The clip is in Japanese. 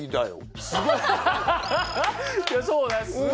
いやそうなんです。